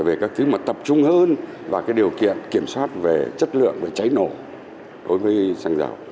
về các thứ mà tập trung hơn vào cái điều kiện kiểm soát về chất lượng về cháy nổ đối với xăng dầu